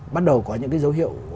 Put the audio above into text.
bắt đầu có những cái dấu hiệu